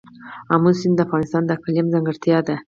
آمو سیند د افغانستان د اقلیم ځانګړتیا ده.